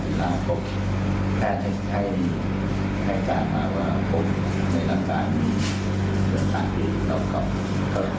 ครับทุกเคสที่เราขอความร่วงมาลังไป